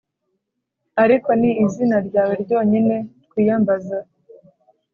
ariko ni izina ryawe ryonyine twiyambaza.